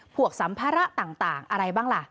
สัมภาระต่างอะไรบ้างล่ะ